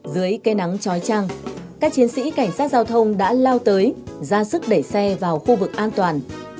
dưới cây nắng trói trang các chiến sĩ cảnh sát giao thông đã lao tới ra sức đẩy xe vào khu vực an toàn